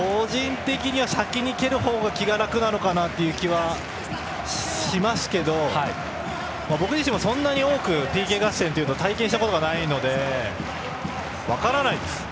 個人的には先に蹴るほうが気が楽なのかなという気がしますが僕自身もそんなに多くＰＫ合戦は体験していないので分かりません。